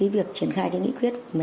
việc triển khai nghị quyết một mươi hai này